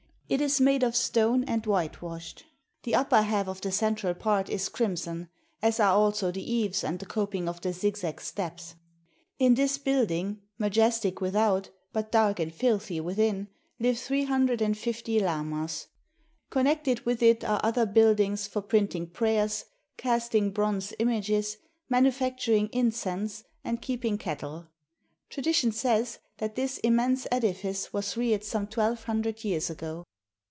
It is made of stone and whitewashed. The upper half of the central part is crimson, as are also the eaves and the coping of the zigzag steps. In this building, majestic without but dark and filthy within, live 350 lamas. Connected with it are other build ings for printing prayers, casting bronze images, manufac turing incense, and keeping cattle. Tradition says that this immense edifice was reared some twelve hundred years ago.